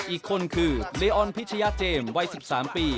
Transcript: อีกคนคือเลออนพิชยาเจมส์วัย๑๓ปี